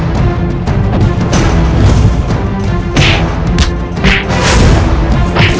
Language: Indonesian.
keturunan dewa niskal